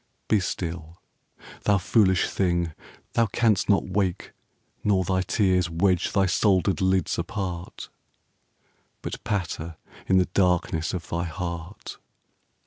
Be still. Thou foolish thing, thou canst not wake, Nor thy tears wedge thy soldered lids apart, But patter in the darkness of thy heart.